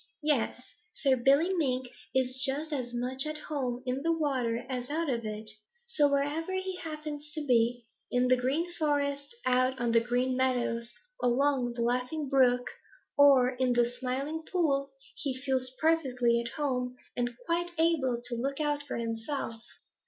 Yes, Sir, Billy Mink is just as much at home in the water as out of it. So, wherever he happens to be, in the Green Forest, out on the Green Meadows, along the Laughing Brook, or in the Smiling Pool, he feels perfectly at home and quite able to look out for himself.